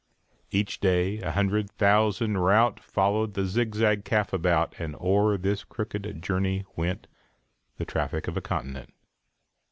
Each day a hundred thousand rout Followed the zigzag calf about; And oŌĆÖer his crooked journey went The traffic of a continent.